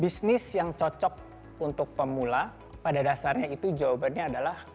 bisnis yang cocok untuk pemula pada dasarnya itu jawabannya adalah